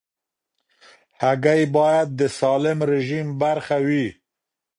هګۍ باید د سالم رژیم برخه وي.